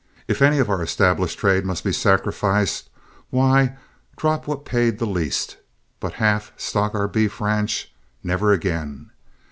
If any of our established trade must be sacrificed, why, drop what paid the least; but half stock our beef ranch? Never again!